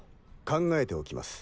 考えておきます。